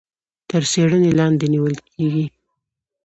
تر څيړنې لاندي نيول کېږي.